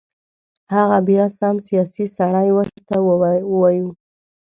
هغه بیا سم سیاسي سړی ورته ووایو.